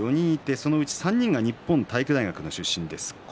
そのうち３人が日本体育大学の出身です。